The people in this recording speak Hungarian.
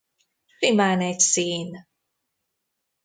Simán egy szín.